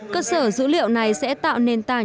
cơ sở dữ liệu này sẽ tạo nền tảng